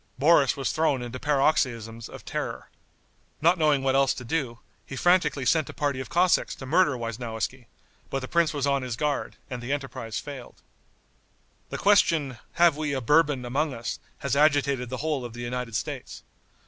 Boris was thrown into paroxysms of terror. Not knowing what else to do, he franticly sent a party of Cossacks to murder Weisnowiski; but the prince was on his guard, and the enterprise failed. The question, "Have we a Bourbon among us?" has agitated the whole of the United States.